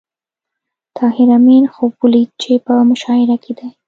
طاهر آمین خوب ولید چې په مشاعره کې دی